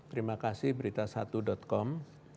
terima kasih berita satu com